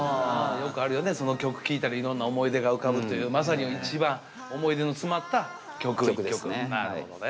よくあるよねその曲聴いたらいろんな思い出が浮かぶというまさに一番思い出の詰まった曲一曲なるほどね。